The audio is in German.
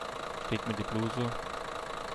Steht mir die Bluse?